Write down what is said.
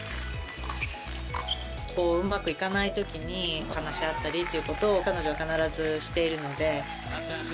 うまくいかないときに話し合ったりということを彼女は必ずしているので。